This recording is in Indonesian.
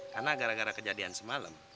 karena gara gara kejadian semalam